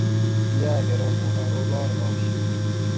دی آۤک ارو مُوں اۤ اوپاۤر آش